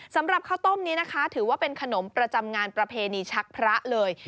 สำหรับข้าวต้มนี้นะคะถือว่าเป็นขนมประจำงานประเพณีชักพระเลย